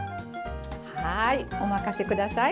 はいお任せ下さい。